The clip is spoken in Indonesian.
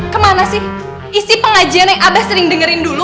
kemana sih isi pengajian yang abah sering dengerin dulu